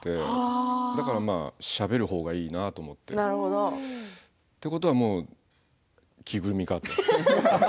だから、しゃべるほうがいいなと思って。ってことは、着ぐるみかと。